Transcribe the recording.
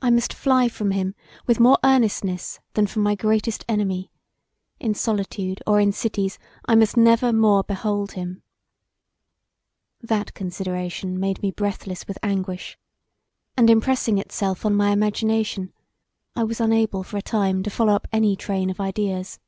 I must fly from him with more earnestness than from my greatest enemy: in solitude or in cities I must never more behold him. That consideration made me breathless with anguish, and impressing itself on my imagination I was unable for a time to follow up any train of ideas.